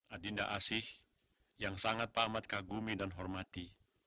adinda asih yang sangat pak amat kagumi dan hormati